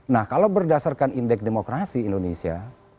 nah kalau berdasarkan indeks demokrasi indonesia